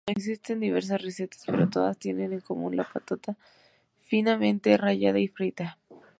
Existen diversas recetas pero todas tienen en común la patata finamente rallada y frita.